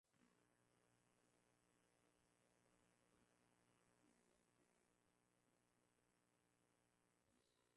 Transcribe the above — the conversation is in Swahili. vinatumiwa kwa mafanikio katika matibabu ya utegemezi wa